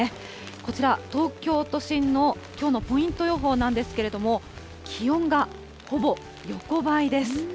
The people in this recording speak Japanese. こちら、東京都心のきょうのポイント予報なんですけれども、気温がほぼ横ばいです。